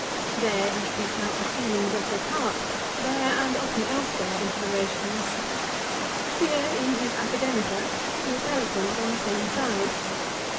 There he speaks out the feelings of his heart, there and often elsewhere in his orations. Here, in his Academica, he is eloquent on the same side.